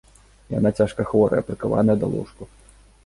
Яна цяжка хворая, прыкаваная да ложку.